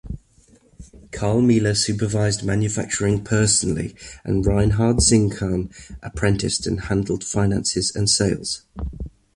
Carl Miele supervised manufacturing personally, and Reinhard Zinkann apprenticed and handled finances and sales.